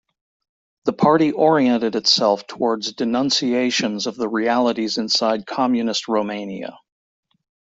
The party oriented itself towards denunciations of the realities inside Communist Romania.